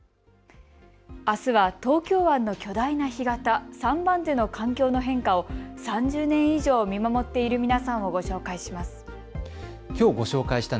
あすは東京湾の巨大な干潟、三番瀬の環境の変化を３０年以上見守っている皆さんをご紹介します。